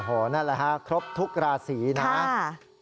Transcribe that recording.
โอ้โหนั่นแหละฮะครบทุกราศีนะครับ